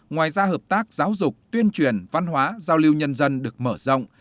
ngoài ra hợp tác giáo dục tuyên truyền văn hóa giao lưu nhân dân được mở rộng